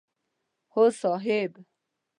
هو صاحب!